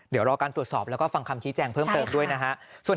เดี๋ยวรอการตรวจสอบแล้วก็ฟังคำชี้แจงเพิ่มเติมด้วยนะฮะ